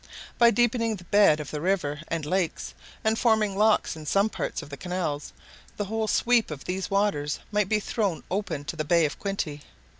By deepening the bed of the river and lakes, and forming locks in some parts and canals, the whole sweep of these waters might be thrown open to the Bay of Quinte.